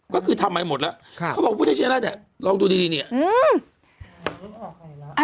ก็คือทำใหม่หมดแล้วค่ะเขาบอกพุทธชินราชเนี้ยลองดูดีดีเนี้ยอืม